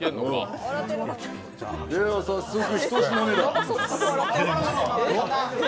では早速、ひと品目だ。